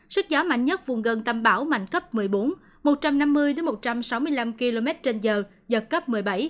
sức gió mạnh nhất vùng gần tâm bão mạnh cấp một mươi bốn một trăm năm mươi một trăm sáu mươi năm km trên giờ giật cấp một mươi bảy